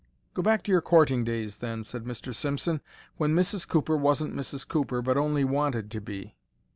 "Go back to your courting days, then," said Mr. Simpson, "when Mrs. Cooper wasn't Mrs. Cooper, but only wanted to be."